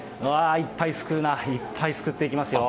いっぱいすくうな、いっぱいすくっていきますよ。